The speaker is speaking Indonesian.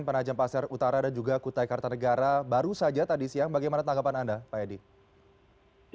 penajam pasir utara dan juga kutai kartanegara baru saja tadi siang bagaimana tanggapan anda pak edi